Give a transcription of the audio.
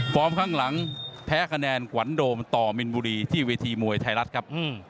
ข้างหลังแพ้คะแนนขวัญโดมต่อมินบุรีที่เวทีมวยไทยรัฐครับ